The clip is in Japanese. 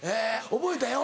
覚えたよ